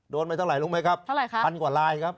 ไปเท่าไหร่รู้ไหมครับเท่าไรคะพันกว่าลายครับ